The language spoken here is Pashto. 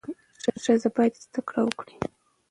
ښځه باید زده کړه وکړي.